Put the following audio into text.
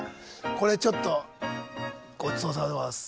これちょっとごちそうさまでございます。